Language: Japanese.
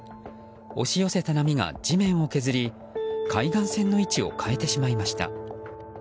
押し寄せた波が地面を削り海岸線の位置を変えてしまいました。